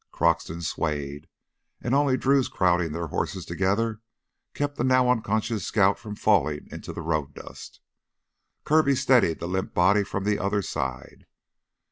Croxton swayed and only Drew's crowding their horses together kept the now unconscious scout from falling into the road dust. Kirby steadied the limp body from the other side.